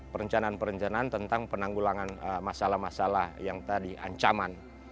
perencanaan perencanaan tentang penanggulangan masalah masalah yang tadi ancaman